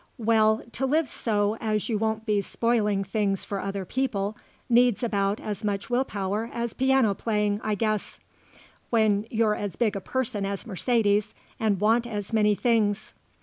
Well, to live so as you won't be spoiling things for other people needs about as much will power as piano playing, I guess, when you're as big a person as Mercedes and want as many things.